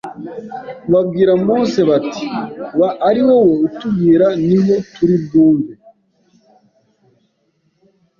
Babwira Mose bati: “Ba ari wowe utubwira niho turi bwumve,